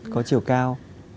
có chiều cao